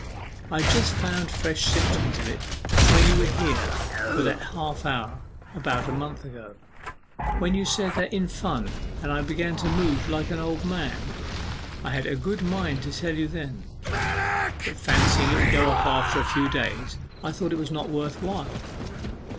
I had just found fresh symptoms of it when you were here for that half hour about a month ago when you said in fun that I began to move like an old man. I had a good mind to tell you then, but fancying it would go off in a few days, I thought it was not worth while.